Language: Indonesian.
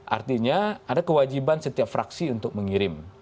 artinya ada kewajiban setiap fraksi untuk mengirim